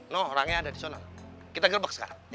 nuh orangnya ada di sana kita gebek sekarang